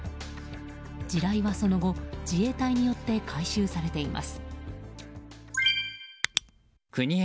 地雷はその後自衛隊によって回収されています。